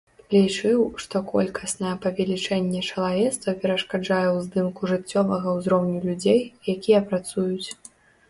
Лічыў, што колькаснае павелічэнне чалавецтва перашкаджае ўздыму жыццёвага ўзроўню людзей, якія працуюць.